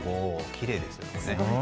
きれいですよね。